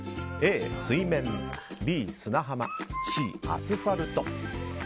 Ａ、水面Ｂ、砂浜Ｃ、アスファルト。